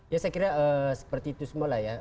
ya saya kira seperti itu semua lah ya